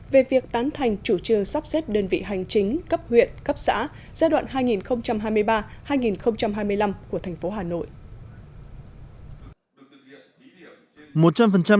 về việc tán thành chủ trương sắp xếp đơn vị hành chính cấp huyện cấp xã giai đoạn hai nghìn hai mươi ba hai nghìn hai mươi năm của thành phố hà nội